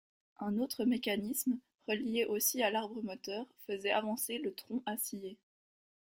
Un autre mécanisme, relié aussi à l'arbre moteur, faisait avancer le tronc à scier.